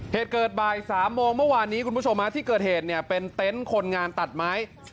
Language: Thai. เหตุเกิดบ่าย๓โมงเมื่อวานนี้คุณผู้ชมที่เกิดเหตุเนี่ยเป็นเต็นต์คนงานตัดไม้